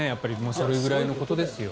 それぐらいのことですよ。